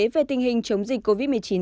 về tình hình chống dịch covid một mươi chín